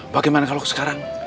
bagaimana kalau sekarang